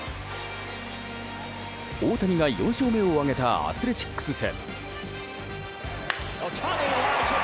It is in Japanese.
大谷が４勝目を挙げたアスレチックス戦。